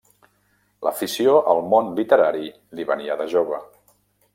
L'afició al món literari li venia de jove.